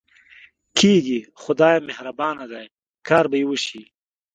کېږي، خدای مهربانه دی، کار به یې وشي.